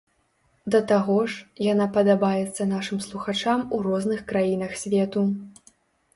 Да таго ж, яна падабаецца нашым слухачам у розных краінах свету.